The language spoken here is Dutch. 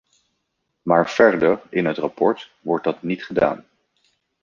Maar verder in het rapport wordt dat niet gedaan.